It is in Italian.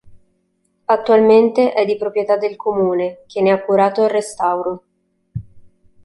Attualmente è di proprietà del Comune, che ne ha curato il restauro.